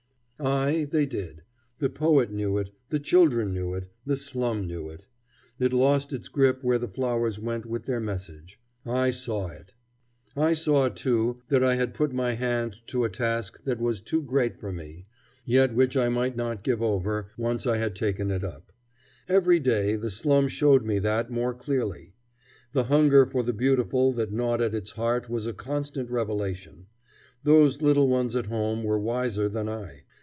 Ay, they did. The poet knew it; the children knew it; the slum knew it. It lost its grip where the flowers went with their message. I saw it. I saw, too, that I had put my hand to a task that was too great for me, yet which I might not give over, once I had taken it up. Every day the slum showed me that more clearly. The hunger for the beautiful that gnawed at its heart was a constant revelation. Those little ones at home were wiser than I.